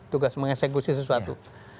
tugas mengeksekusi sesuatu